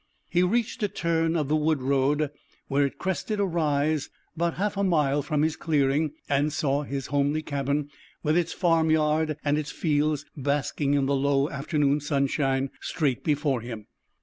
He reached a turn of the wood road, where it crested a rise about half a mile from his clearing, and saw his homely cabin, with its farmyard and its fields basking in the low afternoon sunshine, straight before him.